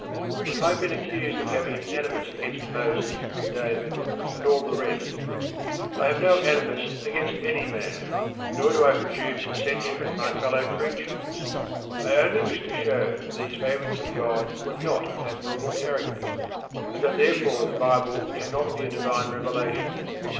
I have been accused of having an animus against Moses, and David, and all the rest. I have no animus against any man, nor do I presume to censure my fellow creatures. I only wish to show that these favourites of God were not admirable characters, and that therefore the Bible cannot be a divine revelation.